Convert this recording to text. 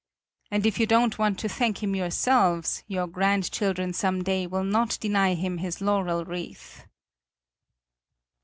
And if you don't want to thank him yourselves, your grandchildren some day will not deny him his laurel wreath."